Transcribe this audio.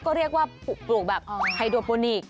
ก็เรียกว่าปลูกแบบไฮโดโปนิกส